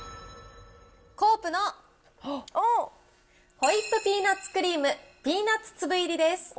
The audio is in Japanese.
コープのホイップピーナッツクリームピーナッツ粒入りです。